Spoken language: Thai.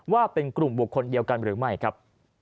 ว่าเป็นกลุ่มบุคคลเดียวกันหรือไม่ครับ